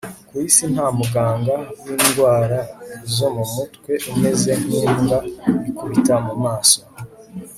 ku isi nta muganga w'indwara zo mu mutwe umeze nk'imbwa ikubita mu maso